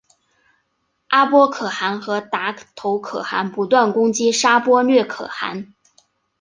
阿波可汗和达头可汗不断攻击沙钵略可汗。